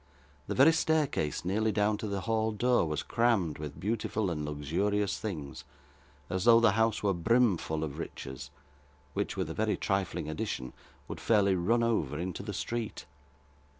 The very staircase nearly down to the hall door, was crammed with beautiful and luxurious things, as though the house were brimful of riches, which, with a very trifling addition, would fairly run over into the street.